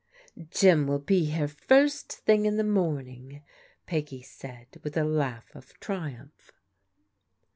" Jim will be here first thing in the morning," Peggy said with a laugh of triumph.